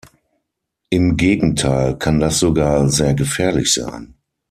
Im Gegenteil kann das sogar sehr gefährlich sein.